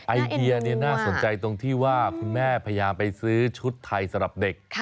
ไอเดียน่าสนใจตรงที่ว่าคุณแม่พยายามไปซื้อชุดไทยสำหรับเด็ก